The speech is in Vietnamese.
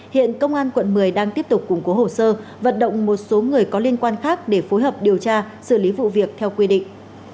hiện công an quận một mươi đang tiếp tục củng cố hồ sơ vận động một số người có liên quan khác để phối hợp điều tra xử lý vụ việc theo quy định